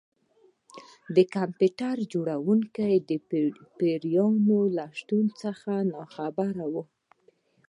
د کمپیوټر جوړونکی د پیریان له شتون څخه خبر نه و